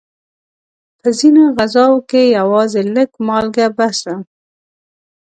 په ځینو غذاوو کې یوازې لږه مالګه بس ده.